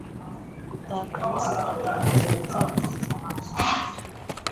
Gutaka no gutaka ntabwo bizakugeza ahantu hose.